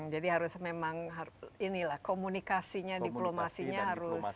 jadi harus memang komunikasinya diplomasinya harus jalan